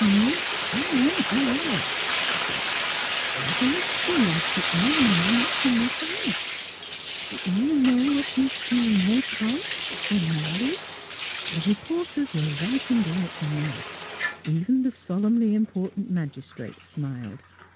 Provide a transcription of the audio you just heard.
" Me I am aware," she said. " 'Arry 'e like to earn monnie to make 'ouse. ... You know w'at ees to make 'ouse for marry? " The reporters were writing like mad. Even the solemnly important magistrate smiled.